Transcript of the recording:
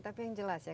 tapi yang jelas ya